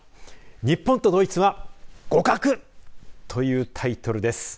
日本とドイツは互角というタイトルです。